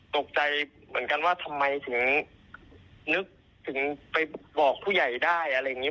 ตกใจเหมือนกันว่าทำไมถึงนึกถึงไปบอกผู้ใหญ่ได้อะไรอย่างนี้